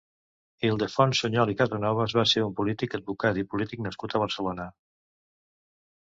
Ildefons Sunyol i Casanovas va ser un polític advocat i polític nascut a Barcelona.